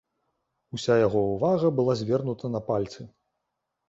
Уся яго ўвага была звернута на пальцы.